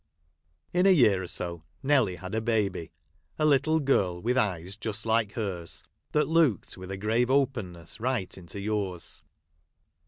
In a year or so, Nelly had a baby, — a little girl, with eyes just like hers, that looked with a grave openness right into yours.